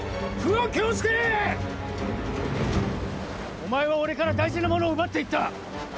お前は俺から大事なものを奪って行った！